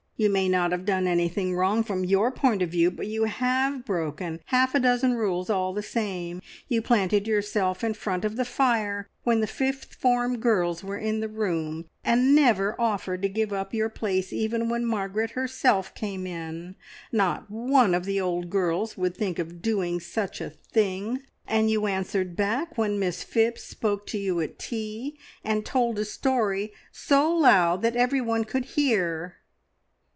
You may not have done anything wrong from your point of view, but you have broken half a dozen rules all the same. You planted yourself in front of the fire when the fifth form girls were in the room, and never offered to give up your place even when Margaret herself came in. Not one of the old girls would think of doing such a thing. And you answered back when Miss Phipps spoke to you at tea and told a story so loud that everyone could hear!"